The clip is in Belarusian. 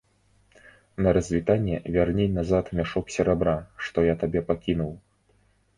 На развітанне вярні назад мяшок серабра, што я табе пакінуў.